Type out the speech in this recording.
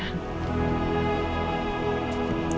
rasanya anding masih ada